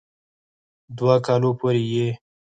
دوؤ کالو پورې ئې